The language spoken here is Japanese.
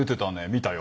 見たよ」